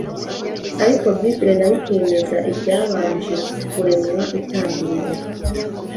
ariko bible nayo ikemeza ibyabanje kuremwa itangiriro